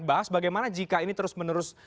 bahas bagaimana jika ini terus menerus